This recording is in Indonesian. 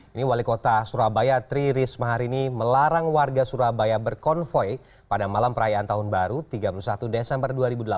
ini wali kota surabaya tri risma hari ini melarang warga surabaya berkonvoy pada malam perayaan tahun baru tiga puluh satu desember dua ribu delapan belas